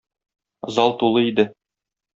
Зал тулы иде.